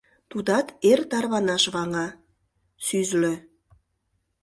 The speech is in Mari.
Тудат эр тарванаш ваҥа, сӱзлӧ!